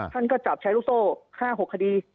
ก็จับใช้ลูกโซ่๕๖คดี